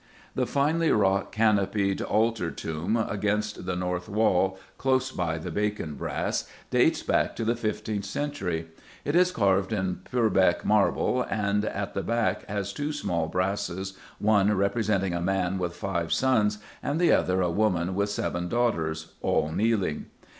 The finely wrought canopied altar tomb against the north wall, close by the Bacon brass, dates back to the fifteenth century. It is carved in Purbeck marble and at the back has two small brasses, one representing a man with five sons and the other a woman with seven daughters, all kneeling.